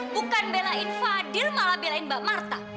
bukan belain fadil malah belain mbak marta